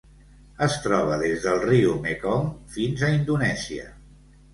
Es troba des del riu Mekong fins a Indonèsia.